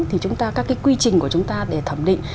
thì chúng ta các cái quy trình của chúng ta để thẩm định